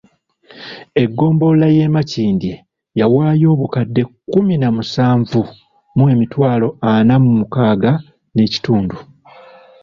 Eggombolola y’e Makindye yawaayo obukadde kkumi na musanvu mu emitwalo ana mu mukaaga n'ekitundu.